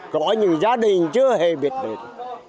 có những gia đình chưa hề biết được